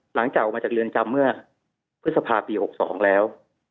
หลังจากออกมาจากเรือนจำเมื่อพฤษภาปี๖๒แล้ว